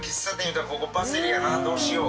どうしよう。